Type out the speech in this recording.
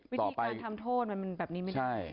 วิธีการทำโทษมันแบบนี้ไม่ได้